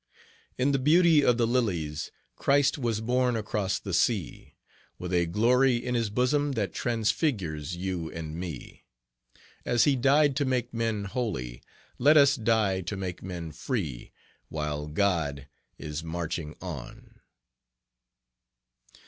"In the beauty of the lilies, Christ was born across the sea, With a glory in his bosom that transfigures you and me; As he died to make men holy, let us die to make men free, While God is marching on."